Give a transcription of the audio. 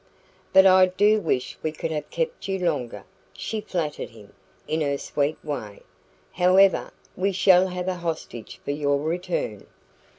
"But I do wish we could have kept you longer," she flattered him, in her sweet way. "However, we shall have a hostage for your return."